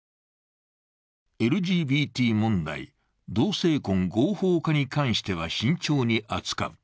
ＬＧＢＴ問題、同性婚合法化に関しては慎重に扱う。